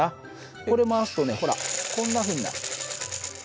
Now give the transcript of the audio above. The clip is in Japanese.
これ回すとねほらこんなふうになる。